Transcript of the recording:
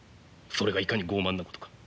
それがいかに傲慢なことか。